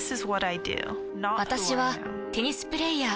私はテニスプレイヤー。